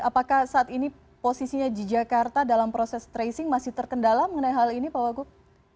apakah saat ini posisinya di jakarta dalam proses tracing masih terkendala mengenai hal ini pak wagub